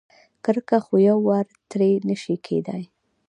کرکه خو یوار ترې نشي کېدای.